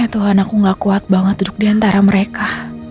tuhan aku gak kuat banget duduk di antara mereka